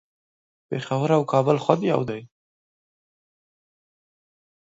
پیښور او کابل خود یو دي